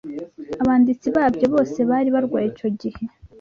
Abanditsi babyo bose bari barwaye icyo gihe